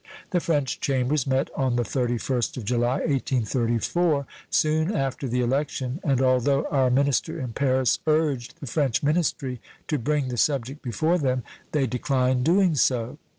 The French Chambers met on the thirty first of July, 1834, soon after the election, and although our minister in Paris urged the French ministry to bring the subject before them, they declined doing so.